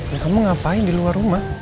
nah kamu ngapain di luar rumah